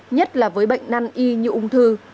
nhất là với bệnh năn y như ung thư